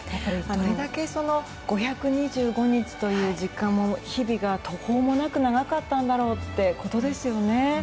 どれだけこの５２５日という日々が途方もなく長かったんだろうということですよね。